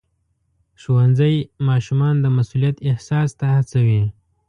ښوونځی ماشومان د مسؤلیت احساس ته هڅوي.